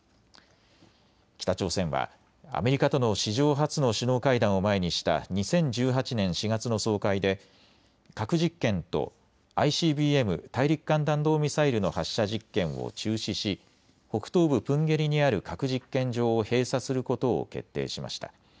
北朝鮮はアメリカとの史上初の首脳会談を前にした２０１８年４月の総会で核実験とＩＣＢＭ・大陸間弾道ミサイルの発射実験を中止し、北東部プンゲリにある核実験場を閉鎖することを決定しました。